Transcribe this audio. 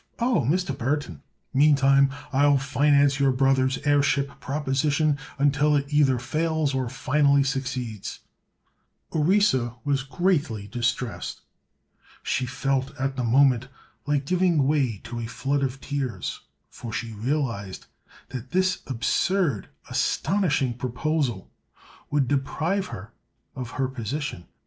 "Oh, Mr. Burthon!" "Meantime I'll finance your brother's airship proposition until it either fails or finally succeeds." Orissa was greatly distressed. She felt at the moment like giving way to a flood of tears, for she realized that this absurd, astonishing proposal would deprive her of her position.